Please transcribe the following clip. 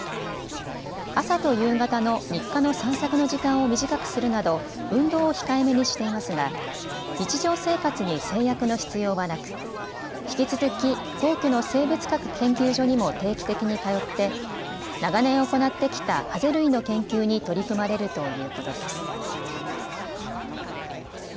朝と夕方の日課の散策の時間を短くするなど運動を控えめにしていますが日常生活に制約の必要はなく引き続き皇居の生物学研究所にも定期的に通って長年行ってきたハゼ類の研究に取り組まれるということです。